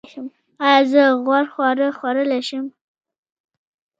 ایا زه غوړ خواړه خوړلی شم؟